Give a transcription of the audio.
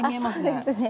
そうですね。